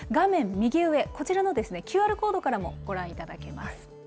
右上、こちらのＱＲコードからもご覧いただけます。